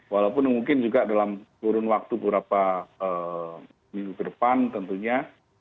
walaupun mungkin juga dalam kurun waktu beberapa minggu ke depan tentunya